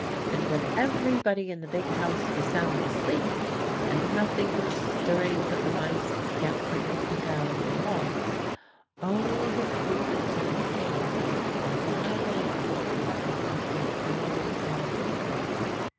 And when everybody in the big house was sound asleep, and nothing was stirring but the mice scampering up and down in the walls, all the creatures in the cave were wide awake, and talking all together.